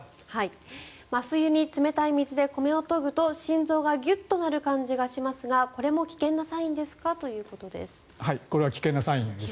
真冬に冷たい水で米を研ぐと心臓がギュッとなる感じがしますがこれも危険なサインですか？ということです。